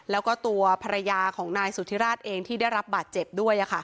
และตัวภรรยาชวรรดิสุธธิราชเองที่ได้รับบาดเจ็บด้วย